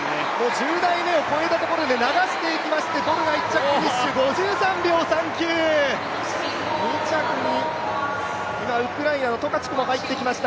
１０台目を越えたところで流していきまして５３秒３９、２着にウクライナのトカチュクも入ってきました。